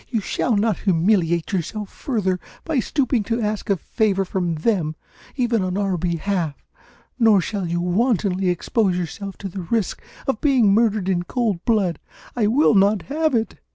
You shall not humiliate yourself further by stooping to ask a favour from them, even on our behalf; nor shall you wantonly expose yourself to the risk of being murdered in cold blood. I will not have it!"